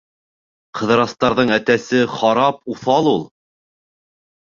Ҡыҙырастарҙың әтәсе харап уҫал ул.